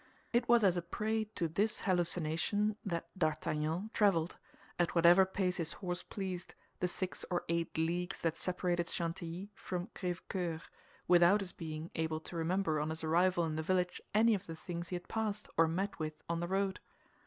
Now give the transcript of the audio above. It was as a prey to this hallucination that D'Artagnan traveled, at whatever pace his horse pleased, the six or eight leagues that separated Chantilly from Crèvecœur, without his being able to remember on his arrival in the village any of the things he had passed or met with on the road.